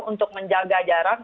untuk menjaga jarak